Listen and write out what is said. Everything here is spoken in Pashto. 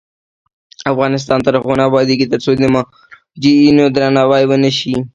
افغانستان تر هغو نه ابادیږي، ترڅو د مراجعینو درناوی ونشي.